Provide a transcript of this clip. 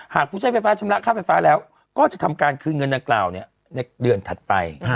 ผู้ใช้ไฟฟ้าชำระค่าไฟฟ้าแล้วก็จะทำการคืนเงินดังกล่าวในเดือนถัดไป